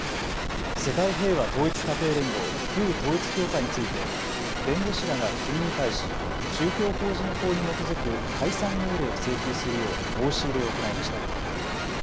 世界平和統一家庭連合、旧統一教会について弁護士らが国に対し宗教法人法に基づく解散命令を請求するよう申し入れを行いました。